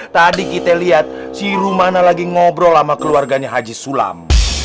tadi kita lihat siru mana lagi ngobrol sama keluarganya haji sulam